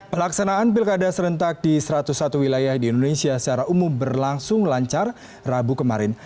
pelaksanaan pilkada serentak di satu ratus satu wilayah di indonesia secara umum berlangsung lancar rabu kemarin